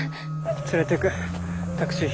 連れてくタクシー拾って。